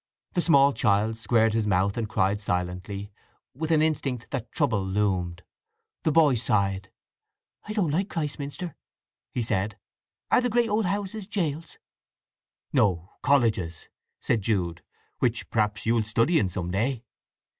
The small child squared its mouth and cried silently, with an instinct that trouble loomed. The boy sighed. "I don't like Christminster!" he said. "Are the great old houses gaols?" "No; colleges," said Jude; "which perhaps you'll study in some day."